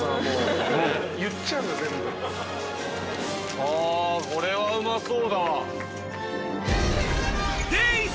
あこれはうまそうだわ。